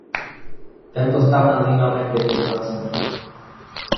Tento stav nazýváme klinická smrt.